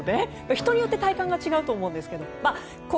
人によって体感が違うと思うんです。